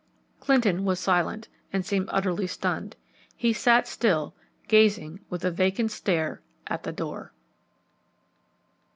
Clinton was silent, and seemed utterly stunned. He sat still, gazing with a vacant stare at the door.